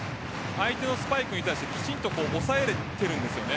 相手のスパイクに対してきちんと抑えれているんです。